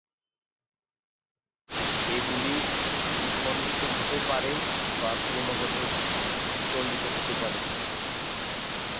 এগুলি স্পন্দিত হতে পারে বা ক্রমাগত চালিত হতে পারে।